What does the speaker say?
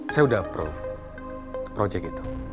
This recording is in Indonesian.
saya udah approve project itu